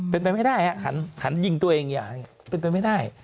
เป็นไปไม่ได้หันยิงตัวเองเป็นไปไม่ได้